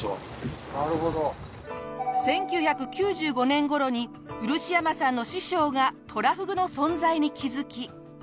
１９９５年頃に漆山さんの師匠がトラフグの存在に気づき。